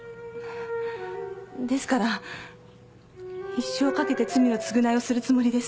ですから一生をかけて罪の償いをするつもりです。